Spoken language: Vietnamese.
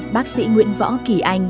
bác sĩ nguyễn võ kỳ anh